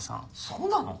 そうなの？